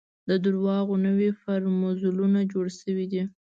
د درواغو نوي پرفوزلونه جوړ شوي دي.